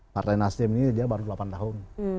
partai nasdem ini dia baru delapan tahun